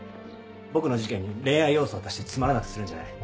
僕の事件に恋愛要素を足してつまらなくするんじゃない。